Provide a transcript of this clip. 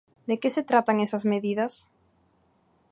¿De que se tratan esas medidas?